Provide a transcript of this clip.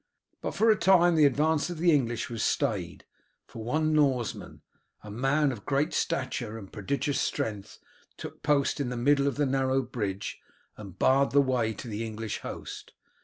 But for a time the advance of the English was stayed; for one Norseman, a man of great stature and prodigious strength, took post in the middle of the narrow bridge and barred the way to the English host.